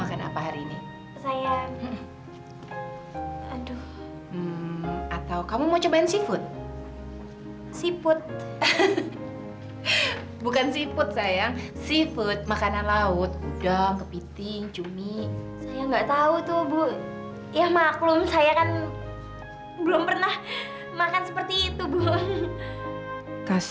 jangan coba coba mendekat